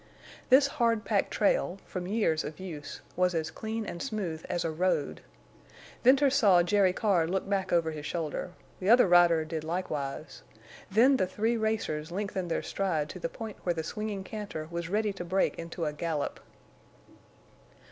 This hard packed trail, from years of use, was as clean and smooth as a road. Venters saw Jerry Card look back over his shoulder, the other rider did likewise. Then the three racers lengthened their stride to the point where the swinging canter was ready to break into a gallop.